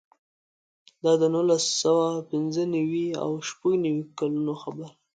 دا د نولس سوه پنځه نوې او شپږ نوې کلونو خبره ده.